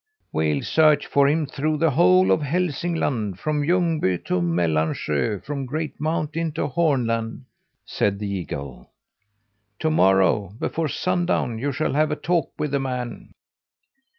"We'll search for him through the whole of Hälsingland from Ljungby to Mellansjö; from Great Mountain to Hornland," said the eagle. "To morrow before sundown you shall have a talk with the man!"